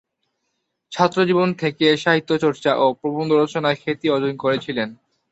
ছাত্রজীবন থেকে সাহিত্যচর্চা ও প্রবন্ধরচনায় খ্যাতি অর্জন করেছিলেন।